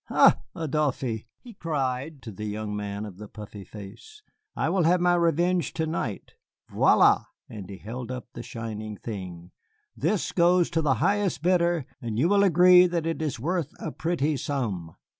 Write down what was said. "Ha, Adolphe," he cried to the young man of the puffy face, "I will have my revenge to night. Voilà!" and he held up the shining thing, "this goes to the highest bidder, and you will agree that it is worth a pretty sum."